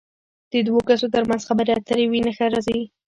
د دوو کسو تر منځ خبرې اترې وي نښه راځي.